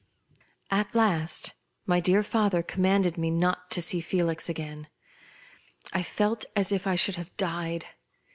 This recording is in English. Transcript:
At last my dear father^commanded me not to see Felix again. I felt as if I should have died.